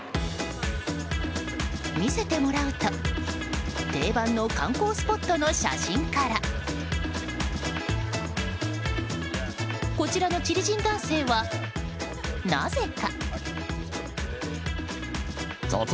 見せてもらうと定番の観光スポットの写真からこちらのチリ人男性は、なぜか。